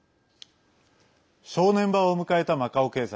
正念場を迎えたマカオ経済。